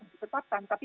yang memberikan bantuan